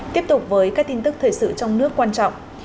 tiếp tục với các tin tức thời sự trong nước quan trọng